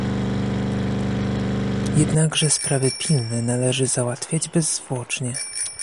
Jednakże sprawy pilne należy załatwiać bezzwłocznie